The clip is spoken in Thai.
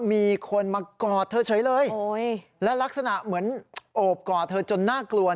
มีคนมากอดเธอเฉยเลยและลักษณะเหมือนโอบกอดเธอจนน่ากลัว